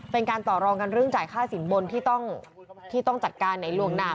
เป็นการต่อรองกันเรื่องจ่ายค่าสินบนที่ต้องจัดการในล่วงหน้า